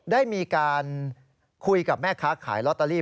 ได้มีการคุยกับแม่ค้าขายลอตเตอรี่